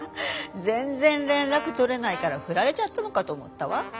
全然連絡取れないからふられちゃったのかと思ったわ。